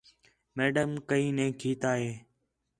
میڈم کئیں نے کیتھا ہے